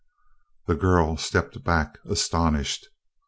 The girl stepped back astonished.